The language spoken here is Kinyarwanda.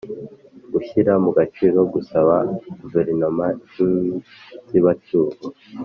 gushyira mu gaciro gusaba Guverinoma y inzibacyuho